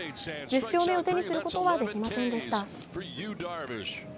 １０勝目を手にすることはできませんでした。